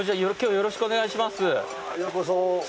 よろしくお願いします。